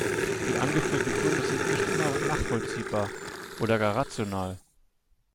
Die angeführten Gründe sind nicht immer nachvollziehbar oder gar rational.